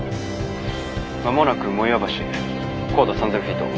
間もなく茂岩橋高度３，０００フィート。